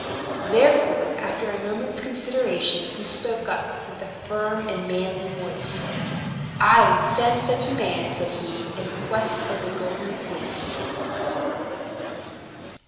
Therefore, after a moment's consideration, he spoke up, with a firm and manly voice. "I would send such a man," said he, "in quest of the Golden Fleece!"